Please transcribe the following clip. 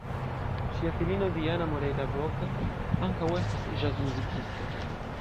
Ŝia filino Diana Moreira-Booker ankaŭ estas ĵazmuzikisto.